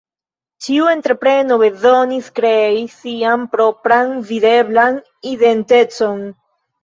Ĉiu entrepreno bezonis krei sian propran videblan identecon.